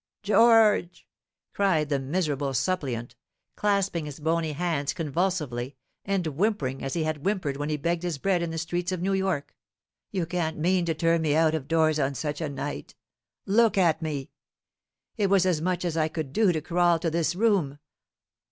"George!" cried the miserable suppliant, clasping his bony hands convulsively, and whimpering as he had whimpered when he begged his bread in the streets of New York, "you can't mean to turn me out of doors on such a night. Look at me. It was as much as I could do to crawl to this room.